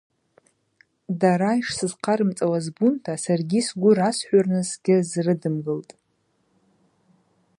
Дара йшсызхъарымцӏауа збунта саргьи сгвы расхӏвырныс сгьызрыдымгылтӏ.